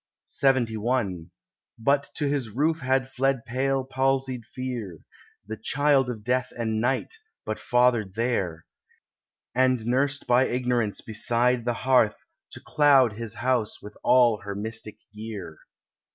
LXXI But to his roof had fled pale palsied Fear, The child of Death and Night, but fathered there, And nursed by Ignorance beside the hearth To cloud his house with all her mystic gear.